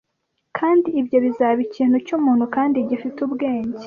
kandi ibyo bizaba ikintu cyumuntu, kandi gifite ubwenge.